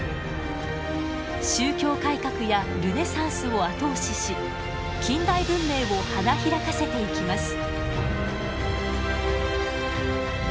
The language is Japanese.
宗教改革やルネサンスを後押しし近代文明を花開かせていきます。